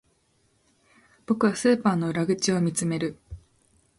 僕はスーパーの裏口を見つめる